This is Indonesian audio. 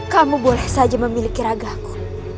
kamu boleh saja memiliki ragahku